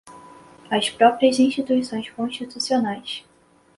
as próprias instituições constitucionais